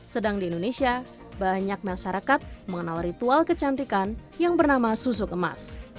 sedang di indonesia banyak masyarakat mengenal ritual kecantikan yang bernama susuk emas